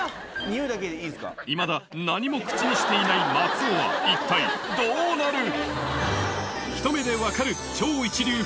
いまだ何も口にしていない松尾は一体どうなる？